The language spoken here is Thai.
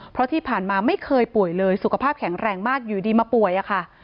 เพราะที่ผ่านมาไม่เคยป่วยเลยสุขภาพแข็งแรงมากอยู่ดีมาป่วยอะค่ะ